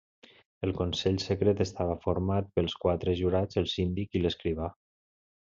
El Consell Secret estava format pels quatre jurats, el síndic i l'escrivà.